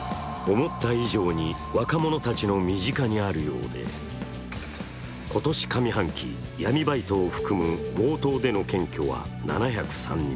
思った以上に若者たちの身近にあるようで、今年上半期、闇バイトを含む強盗での検挙は７０３人。